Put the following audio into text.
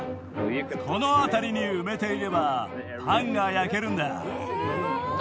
このあたりに埋めていればパンが焼けるんだ。